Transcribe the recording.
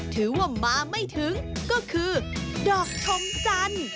ถือว่ามาไม่ถึงก็คือดอกทงจันทร์